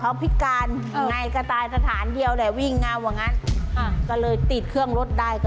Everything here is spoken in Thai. เขาพิการวิ่งเงาว่างั้นก็เลยตีดเครื่องรถได้